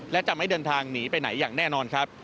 และจะไม่เดินทางหนีไปไหนอย่างแน่นอนครับ